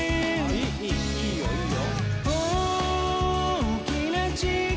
いいよいいよ！